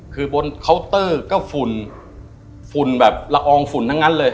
คือบนเคาน์เตอร์ก็ฝุ่นฝุ่นแบบละอองฝุ่นทั้งนั้นเลย